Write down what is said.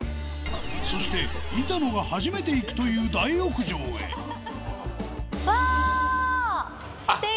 そして板野が初めて行くという大浴場へわ素敵。